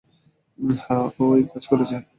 হ্যাঁ, ও এইকাজ করেছে।